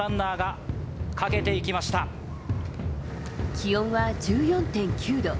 気温は１４．９度。